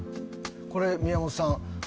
これ宮本さん